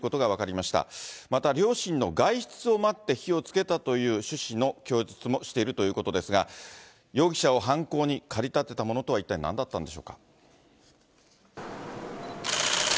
また、両親の外出を待って火をつけたという趣旨の供述もしているということですが、容疑者を犯行に駆り立てたものとは、一体なんだったんでしょうか。